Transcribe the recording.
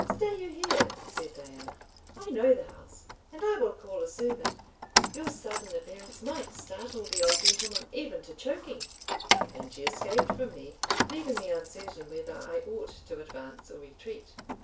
"Stay you here," said Diana. "I know the house, and I will call a servant; your sudden appearance might startle the old gentleman even to choking;" and she escaped from me, leaving me uncertain whether I ought to advance or retreat.